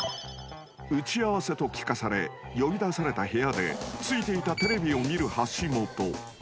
［打ち合わせと聞かされ呼び出された部屋でついていたテレビを見る橋本］